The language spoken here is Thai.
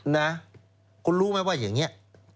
นะคุณรู้ไหมว่าอย่างนี้